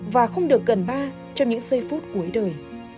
và không được gần ba trong những giây phút cuối đời